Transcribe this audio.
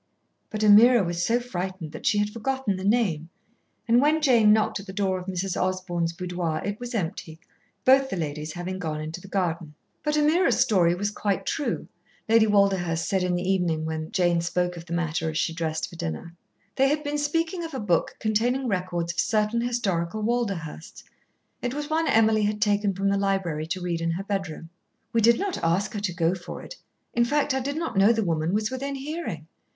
But Ameerah was so frightened that she had forgotten the name, and when Jane knocked at the door of Mrs. Osborn's boudoir, it was empty, both the ladies having gone into the garden. But Ameerah's story was quite true, Lady Walderhurst said in the evening when Jane spoke of the matter as she dressed her for dinner. They had been speaking of a book containing records of certain historical Walderhursts. It was one Emily had taken from the library to read in her bedroom. "We did not ask her to go for it. In fact I did not know the woman was within hearing.